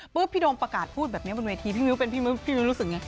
พี่โดมประกาศพูดแบบนี้บนเวทีพี่มิ้วเป็นพี่มิ้วพี่มิ้วรู้สึกไง